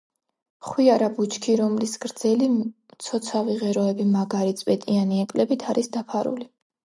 ხვიარა ბუჩქი, რომლის გრძელი, მცოცავი ღეროები მაგარი, წვეტიანი ეკლებით არის დაფარული.